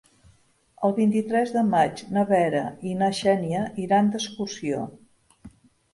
El vint-i-tres de maig na Vera i na Xènia iran d'excursió.